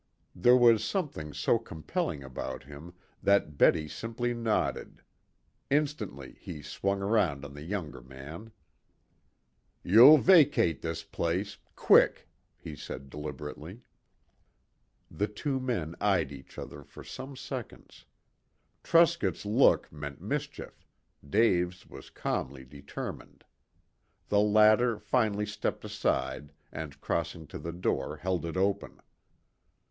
There was something so compelling about him that Betty simply nodded. Instantly he swung round on the younger man. "You'll vacate this place quick," he said deliberately. The two men eyed each other for some seconds. Truscott's look meant mischief, Dave's was calmly determined. The latter finally stepped aside and crossing to the door held it open.